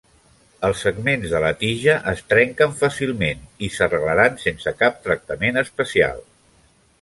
Els segments de la tija es trenquen fàcilment i s'arrelaran sense cap tractament especial.